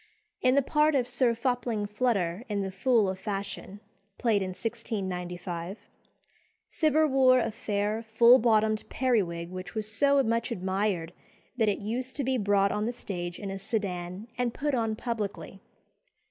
In the part of Sir Fopling Flutter in "The Fool of Fashion," played in 1695, Cibber wore a fair, full bottomed periwig which was so much admired that it used to be brought on the stage in a sedan and put on publicly.